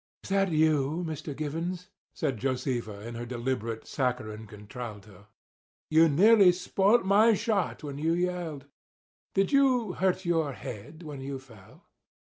"Is that you, Mr. Givens?" said Josefa, in her deliberate, saccharine contralto. "You nearly spoilt my shot when you yelled. Did you hurt your head when you fell?"